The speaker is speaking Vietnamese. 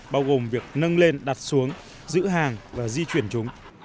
bao gồm việc nâng lên đặt xuống giữ hàng và di chuyển chúng